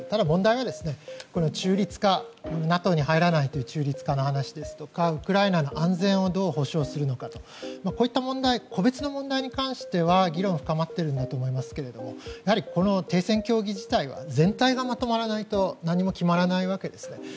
問題はＮＡＴＯに入らないという中立化の話とかウクライナの安全をどう保障するのか、こういった個別の問題に関しては議論が深まっていると思うんですけどやはり停戦協議自体は全体がまとまらないと何も決まらないわけですね。